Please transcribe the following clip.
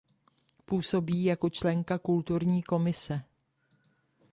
Působí jako členka Kulturní komise.